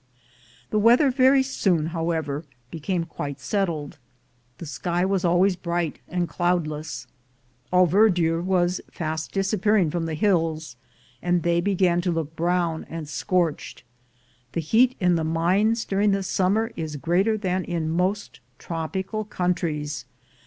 The weather verj'' soon, however, became quite settled. The sk}"^ was always bright and cloudless; all verdure v\'as fast disappearing fiom the hills, and they began to look bro\\^l and scorched. The heat in the mines during summ.er is greater than in most tropical countries.